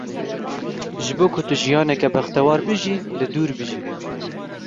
Ji bo ku tu jiyaneke bextewar bijî, li dûr bijî.